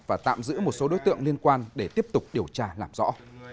và tạm giữ một số đối tượng liên quan để tiếp tục điều tra làm rõ